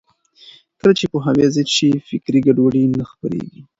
کله چې پوهاوی زیات شي، فکري ګډوډي نه خپرېږي.